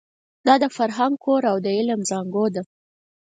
دا د فرهنګ کور او د علم زانګو ده.